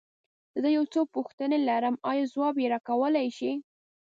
زه يو څو پوښتنې لرم، ايا ځواب يې راکولی شې؟